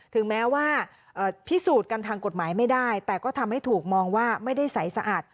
ถึงแม้ว่าพิสูจน์กันทางกฎหมายไม่ได้แต่ก็ทำให้ถูกมองว่าไม่ได้ใสสะอาด